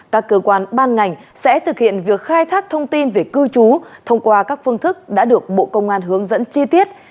các cơ quan ban ngành sẽ thực hiện việc khai thác thông tin về cư trú thông qua các phương thức đã được bộ công an hướng dẫn chi tiết